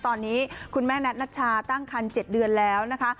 ตอนนี้คุณแม่แท็ตนัชชาตั้งคัน๗เดือนแล้วนะคะ